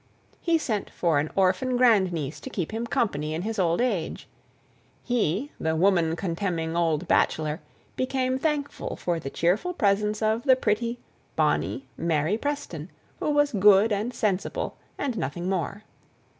He sent for an orphan grand niece to keep him company in his old age; he, the woman contemning old bachelor, became thankful for the cheerful presence of the pretty, bonny Mary Pearson, who was good and sensible, and nothing more.